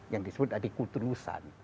yang disebut tadi kulturusan